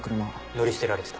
乗り捨てられてた。